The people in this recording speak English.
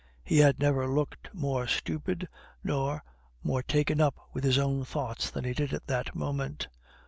He had never looked more stupid nor more taken up with his own thoughts than he did at that moment.